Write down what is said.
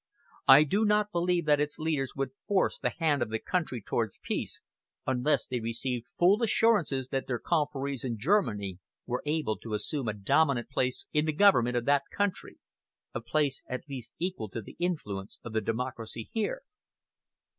I do not believe that its leaders would force the hand of the country towards peace, unless they received full assurance that their confreres in Germany were able to assume a dominant place in the government of that country a place at least equal to the influence of the democracy here."